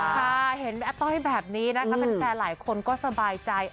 ด้วยนะคะค่ะเห็นแอ๊ะต้อยแบบนี้นะครับเป็นแฟร์หลายคนก็สบายใจ